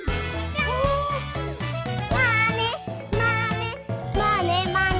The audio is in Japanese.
「まねまねまねまね」